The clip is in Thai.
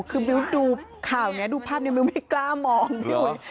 คือมิวดูข่าวเนี่ยดูภาพเนี่ยมิวไม่กล้ามอง